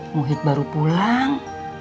muhid baru pulang